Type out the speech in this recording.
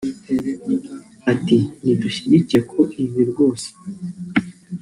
Ati “Ntidushyigikiye ko ibi rwose